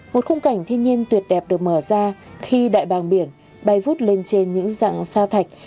một khung cảnh thiên nhiên tuyệt đẹp được mở ra khi đại bàng biển bay vút lên trên những dạng sa thạch